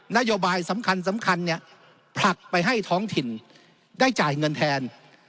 นโยบายสำคัญเนี่ยผลักไปให้ท้องถิ่นได้จ่ายเงินแทน